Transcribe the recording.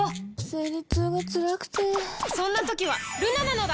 生理痛がつらくてそんな時はルナなのだ！